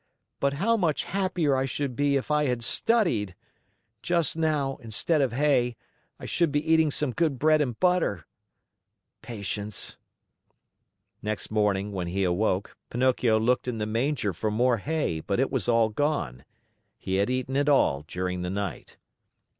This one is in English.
"But how much happier I should be if I had studied! Just now, instead of hay, I should be eating some good bread and butter. Patience!" Next morning, when he awoke, Pinocchio looked in the manger for more hay, but it was all gone. He had eaten it all during the night.